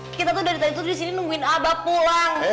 kita tuh dari tadi tuh disini nungguin abah pulang